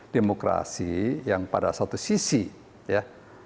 demokrasi yang pada satu sisi ya